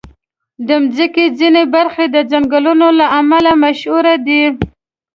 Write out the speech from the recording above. د مځکې ځینې برخې د ځنګلونو له امله مشهوري دي.